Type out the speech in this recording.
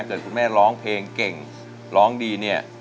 คุณแม่ร้องเพลงเก่งร้องดีเนี่ย